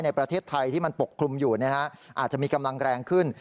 ในประเทศไทยที่มันปกคลุมอยู่อาจจะมีกำลังแรงขึ้น